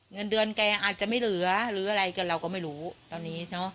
เงินเดือนแกอาจจะไม่เหลือหรืออะไรก็เราก็ไม่รู้ตอนนี้เนอะ